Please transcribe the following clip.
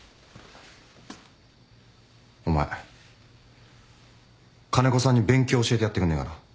お前金子さんに勉強教えてやってくんねえかな？